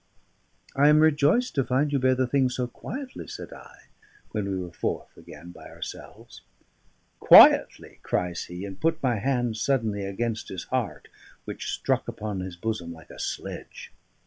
"I am rejoiced to find you bear the thing so quietly," said I, when we were forth again by ourselves. "Quietly!" cries he, and put my hand suddenly against his heart, which struck upon his bosom like a sledge.